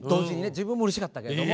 自分もうれしかったけども。